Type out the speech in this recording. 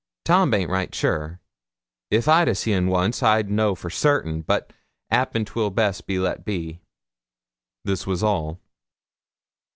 Tom baint right shure; if I seed un wons i'd no for sartin; but 'appen,'twil best be let be.' This was all.